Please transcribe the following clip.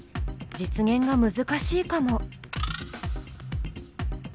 実現が難しいかも。